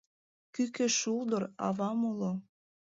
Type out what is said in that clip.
Кӱкӧ шулдыр - авам уло.